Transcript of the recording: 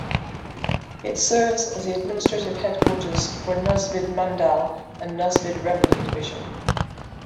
It serves as the administrative headquarters for Nuzvid mandal and Nuzvid revenue division.